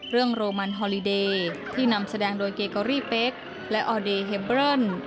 โรมันฮอลิเดย์ที่นำแสดงโดยเกเกอรี่เป๊กและออเดย์เฮเบอร์